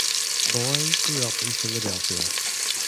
Boyle grew up in Philadelphia.